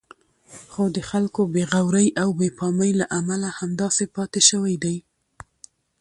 خو د خلکو بې غورئ او بې پامۍ له امله همداسې پاتې شوی دی.